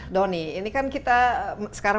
doni ini kan kita sekarang